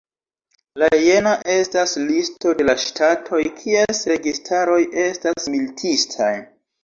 La jena estas listo de la ŝtatoj kies registaroj estas militistaj.